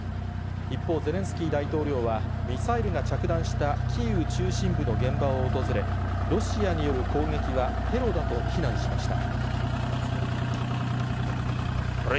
一方、ゼレンスキー大統領は、ミサイルが着弾したキーウ中心部の現場を訪れ、ロシアによる攻撃はテロだと非難しました。